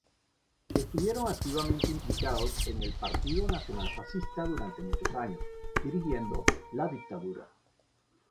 Estuvieron activamente implicados en el Partido Nacional Fascista durante muchos años, dirigiendo la dictadura.